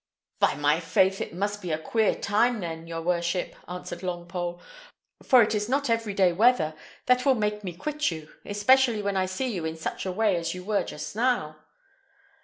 "By my faith, it must be a queer time, then, your worship!" answered Longpole; "for it is not every day weather that will make me quit you, especially when I see you in such a way as you were just now."